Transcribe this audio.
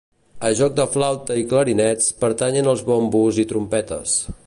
A joc de flauta i clarinets pertanyen els bombos i trompetes.